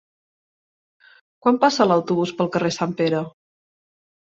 Quan passa l'autobús pel carrer Sant Pere?